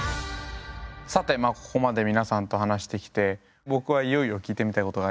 さてここまで皆さんと話してきて僕はいよいよ聞いてみたいことがあります。